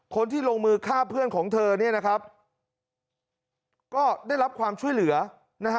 คนที่ลงมือฆ่าเพื่อนของเธอเนี่ยนะครับก็ได้รับความช่วยเหลือนะฮะ